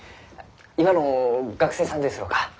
今の学生さんですろうか？